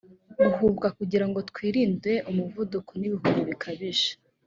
guhubuka kugira ngo twirinde umuvuduko n ihubi bikabije